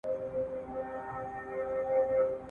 ښوونیزه ارواپوهنه د تدریس لاري چاري ښه کوي.